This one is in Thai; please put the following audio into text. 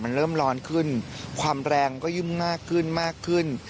มันเริ่มร้อนขึ้นความแรงก็ยุ่มมากขึ้นมากขึ้น